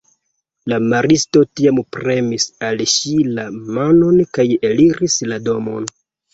La maristo tiam premis al ŝi la manon kaj eliris la domon.